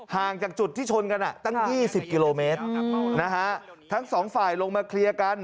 ห่างจากจุดที่ชนกันตั้ง๒๐กิโลเมตรนะฮะทั้งสองฝ่ายลงมาเคลียร์กัน